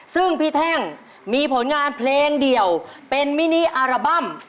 ซึ่งพี่แท่งมีผลงานเพลงเดี่ยวเป็นมินิอาราบั้ม